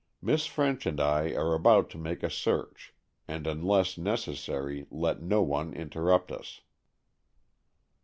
Miss French and I are about to make a search, and, unless necessary, let no one interrupt us."